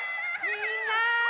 みんな！